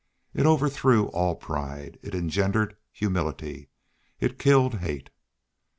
It overthrew all pride, it engendered humility, it killed hate.